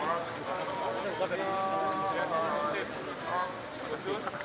ada di indonesia ada di indonesia